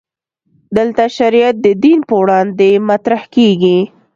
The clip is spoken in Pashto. دلته شریعت د دین پر وړاندې مطرح کېږي.